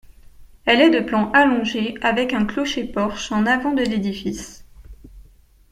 Elle est de plan allongé avec un clocher-porche en avant de l'édifice.